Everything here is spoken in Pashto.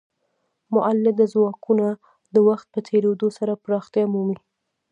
مؤلده ځواکونه د وخت په تیریدو سره پراختیا مومي.